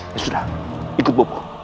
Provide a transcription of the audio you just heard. ya sudah ikut popo